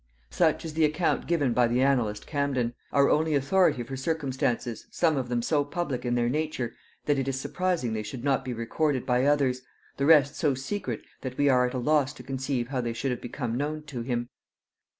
Such is the account given by the annalist Camden; our only authority for circumstances some of them so public in their nature that it is surprising they should not be recorded by others, the rest so secret that we are at a loss to conceive how they should have become known to him.